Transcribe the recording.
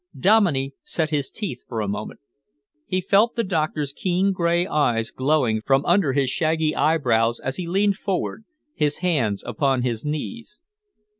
Dominey set his teeth for a moment. He felt the doctor's keen grey eyes glowing from under his shaggy eyebrows as he leaned forward, his hands upon his knees.